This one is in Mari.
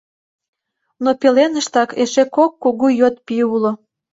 Но пеленыштак эше кок кугу йот пий уло.